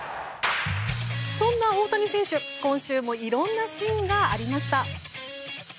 そんな大谷選手、今週もいろいろなシーンがありました。